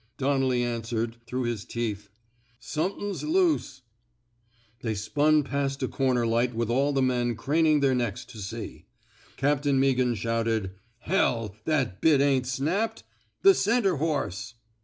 " Donnelly answered, through his teeth: *' Somethin's loose! " They spun past a comer light with all the men craning their necks to see. Captain Meaghan shouted: Hell! That bit ain't snapped ! The center horse